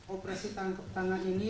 operasi tanpa tanah ini